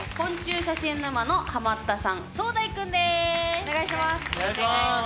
お願いします。